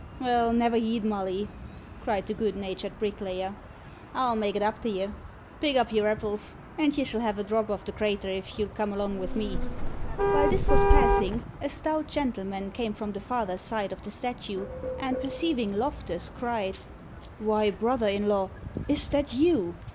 "Well, never heed, Molly," cried the good natured bricklayer; "I'll make it up t'ye. Pick up your apples, and you shall have a dhrop of the craiter if you'll come along wid me." While this was passing, a stout gentleman came from the farther side of the statue, and perceiving Loftus, cried "Why, brother in law, is that you?"